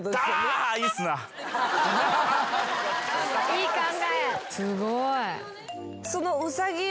いい考え。